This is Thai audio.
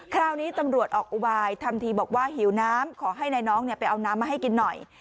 คราวนี้ตำรวจออกอุบายทำทีบอกว่าหิวน้ำขอให้นายน้องไปเอาน้ำมาให้กินหน่อย